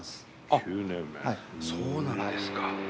あっそうなんですか。